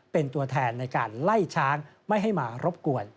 เป็นตัวแทนในการไล่ช้างไม่ให้มารบกวน